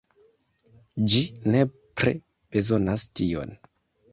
Ĝi nepre bezonas tion.